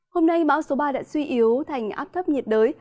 hôm nay bão số ba đã suy yếu thành áp thấp nhiệt đới